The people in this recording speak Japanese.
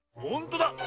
ほんとだ。